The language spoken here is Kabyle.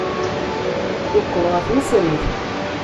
Yeqqel ɣer tmesrit.